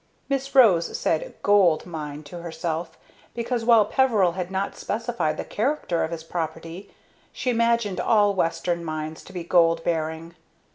Miss Rose said "gold" mine to herself, because, while Peveril had not specified the character of his property, she imagined all Western mines to be gold bearing.